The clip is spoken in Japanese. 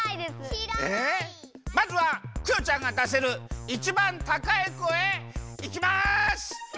まずはクヨちゃんがだせるいちばんたかい声いきます！